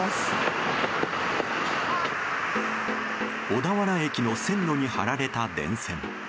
小田原駅の線路に張られた電線。